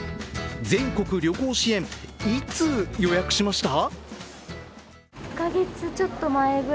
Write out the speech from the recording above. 全国旅行支援、いつ予約しました？